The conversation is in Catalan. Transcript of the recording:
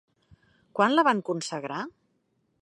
Quan la van consagrar?